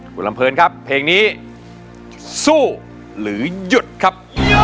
คุณลำเพลินครับเพลงนี้สู้หรือหยุดครับ